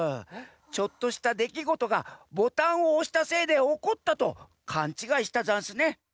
ちょっとしたできごとがボタンをおしたせいでおこったとかんちがいしたざんすね。